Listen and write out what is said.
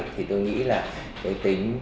thì tôi nghĩ là cái tính